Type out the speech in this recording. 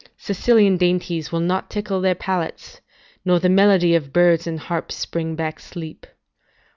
["Sicilian dainties will not tickle their palates, nor the melody of birds and harps bring back sleep."